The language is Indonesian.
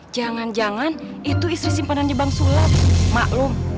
jangan jangan itu istri simpanan bang su graph mabel mercedes